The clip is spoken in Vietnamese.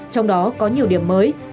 trong đó có nhiều điểm mới